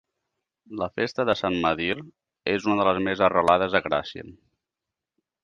La festa de Sant Medir és una de les més arrelades a Gràcia.